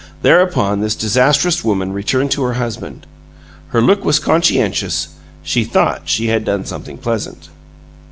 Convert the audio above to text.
Thereupon this disastrous woman returned to her husband. Her look was conscientious; she thought she had done something pleasant!